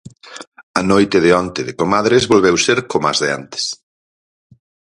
A noite de onte de Comadres volveu ser como as de antes.